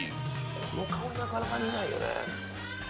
この釜なかなか見ないよね。